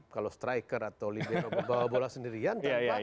kalau striker atau liber bawa bola sendirian